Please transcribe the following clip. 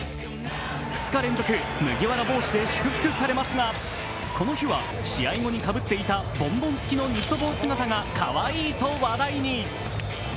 ２日連続麦わら帽子で祝福されますがこの日は試合後にかぶっていたボンボン付きのニット帽姿がかわいいと話題に。